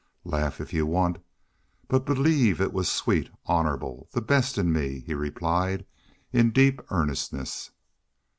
"Laugh if you want but believe it was sweet, honorable the best in me," he replied, in deep earnestness.